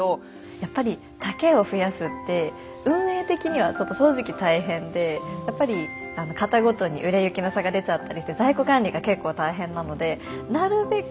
やっぱり丈を増やすって運営的にはちょっと正直大変でやっぱり型ごとに売れ行きの差が出ちゃったりして在庫管理が結構大変なのでなるべく